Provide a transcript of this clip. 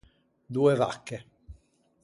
Doe vacche.